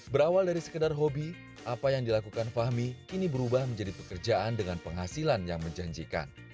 berawal dari sekedar hobi apa yang dilakukan fahmi kini berubah menjadi pekerjaan dengan penghasilan yang menjanjikan